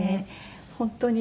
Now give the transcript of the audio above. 本当に。